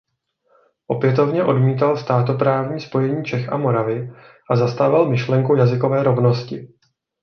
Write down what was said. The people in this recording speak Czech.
Opětovně odmítal státoprávní spojení Čech a Moravy a zastával myšlenku jazykové rovnosti.